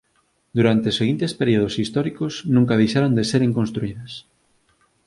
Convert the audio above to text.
Durante os diferentes períodos históricos nunca deixaron de seren construídas